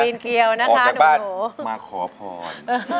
ออกจากบ้านมาขอพร